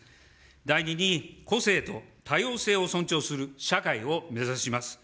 第２に個性と多様性を尊重する社会を目指します。